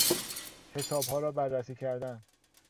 حسابها را بررسی کردن